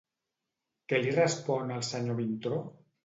Què li respon el senyor Vintró?